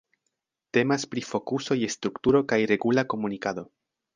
Temas pri fokuso je strukturo kaj regula komunikado.